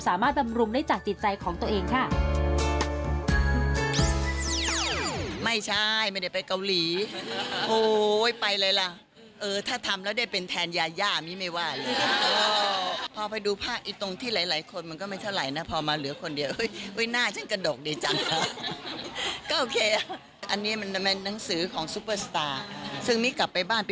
สามารถดำรุมได้จากจิตใจของตัวเองค่ะ